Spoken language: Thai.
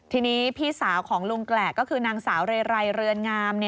ทีนี้พี่สาวของลุงแกรกก็คือนางสาวเรไรเรือนงาม